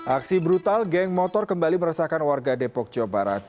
aksi brutal geng motor kembali meresahkan warga depok jawa barat